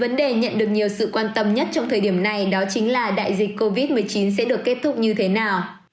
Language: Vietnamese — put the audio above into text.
vấn đề nhận được nhiều sự quan tâm nhất trong thời điểm này đó chính là đại dịch covid một mươi chín sẽ được kết thúc như thế nào